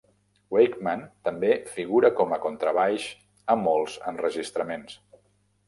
Wakeman també figura com a contrabaix a molts enregistraments.